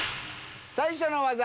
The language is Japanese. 最初の技。